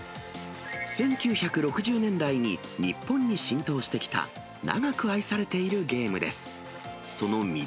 １９６０年代に日本に浸透してきた、長く愛されているゲームです。